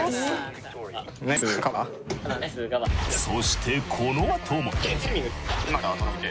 そしてこの後も。